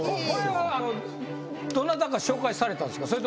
これはどなたか紹介されたんですか？